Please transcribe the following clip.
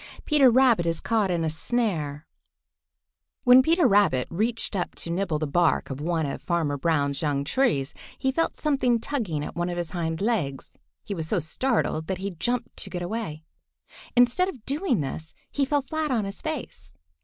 XV PETER RABBIT IS CAUGHT IN A SNARE WHEN Peter Rabbit, reaching up to nibble the bark of one of Farmer Brown's young trees, felt something tugging at one of his hind legs, he was so startled that he jumped to get away. Instead of doing this, he fell flat on his face.